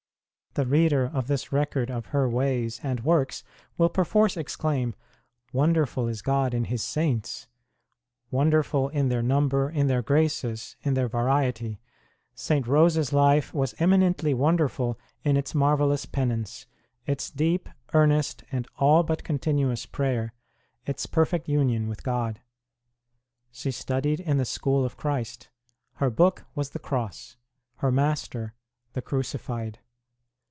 The reader of this record of her ways and works will perforce exclaim : Wonder ful is God in His saints wonderful in their number, in their graces, in their variety. St. Rose s life was eminently wonderful in its mar vellous penance, its deep, earnest, and all but continuous prayer, its perfect union with God. She studied in the school of Christ ; her book was the Cross; her Master the Crucified.